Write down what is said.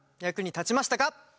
役に立ちましたか？